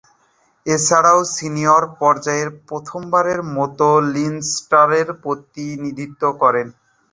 এছাড়াও, সিনিয়র পর্যায়ে প্রথমবারের মতো লিনস্টারের প্রতিনিধিত্ব করেন।